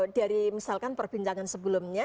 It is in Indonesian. dari misalkan perbincangan sebelumnya